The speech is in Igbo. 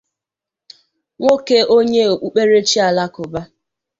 nwoke onye okpukperechi alakụba